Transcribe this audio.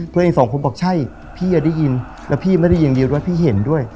เพื่อนอีกสองคนบอกใช่พี่ได้ยืนแล้วพี่ไม่ได้ยืนอย่างดีด้วยพี่เห็นด้วย